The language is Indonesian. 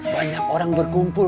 banyak orang berkumpul